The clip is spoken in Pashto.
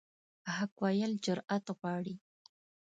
حق ویل جرأت غواړي.